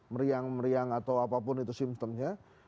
meriang meriang atau apapun itu simptomnya